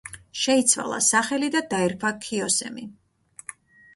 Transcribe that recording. შეიცვალა სახელი და დაირქვა ქიოსემი.